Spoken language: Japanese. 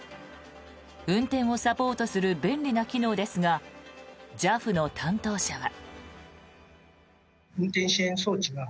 運転をサポートする便利な機能ですがＪＡＦの担当者は。